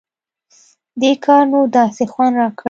دې کار نو داسې خوند راکړى و.